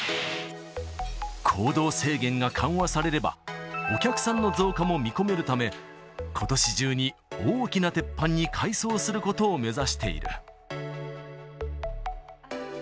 行動制限が緩和されれば、お客さんの増加も見込めるため、ことし中に大きな鉄板に改装することを目指していた。